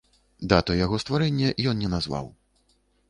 Дату яго стварэння ён не назваў.